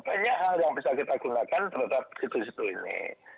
banyak hal yang bisa kita gunakan terhadap situ situ ini